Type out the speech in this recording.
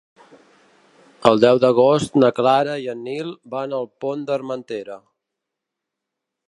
El deu d'agost na Clara i en Nil van al Pont d'Armentera.